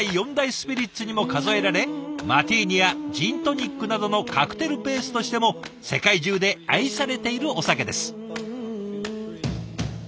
スピリッツにも数えられマティーニやジントニックなどのカクテルベースとしても世界中で愛されているお酒です。